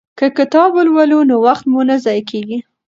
که کتاب ولولو نو وخت مو نه ضایع کیږي.